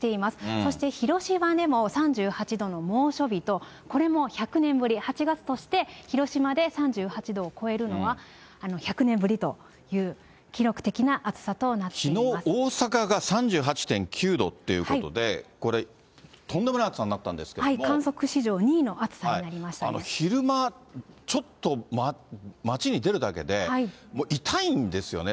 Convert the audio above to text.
そして広島でも３８度の猛暑日と、これも１００年ぶり、８月として広島で３８度を超えるのは１００年ぶりという記録的なきのう、大阪が３８．９度っていうことで、これ、とんでもない暑さになった観測史上２位の暑さになりま昼間、ちょっと街に出るだけで、痛いんですよね。